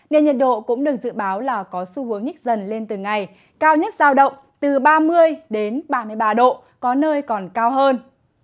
nên nhiệt độ cũng được dự báo là có xu hướng nhích dần lên từng ngày cao nhất giao động từ ba mươi đến ba mươi ba độ có nơi còn cao hơn